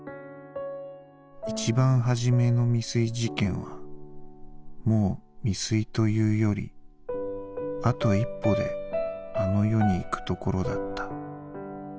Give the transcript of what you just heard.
一番初めの未遂事件はもう未遂と言うよりあと１歩であの世に行く所だった」。